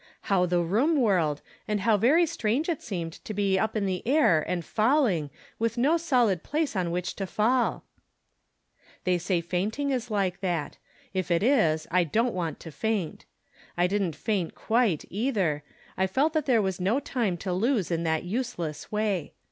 How the room whirled, and how very strange it seemed to be up in the air and falling, with no solid place on which to fall. They say fainting is like that ; if it is, I don't want to faint. I didn't faint quite, either, I felt that there was no time to lose in that useless way.